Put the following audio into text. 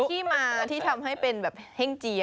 เป็นที่มาที่ทำให้เป็นแบบเฮ่งเจีย